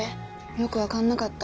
よく分かんなかった。